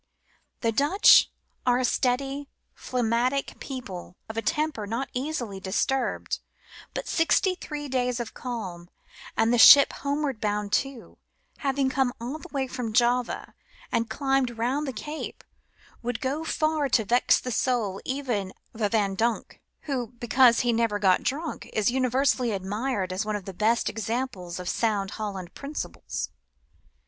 The Dutch are a steady, phlegmatic people of a temper not easily disturbed ; but sixty three days of calm, and the ship homeward bound too, having come all the way from Java, and climbed round the Cape, would go far to vex the soul even of a Van Dunk, who, because he never got drunk, is universally admired as one of the best examples of sound Holland principles.